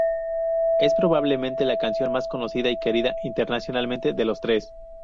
Es probablemente la canción más conocida y querida, internacionalmente, de Los Tres.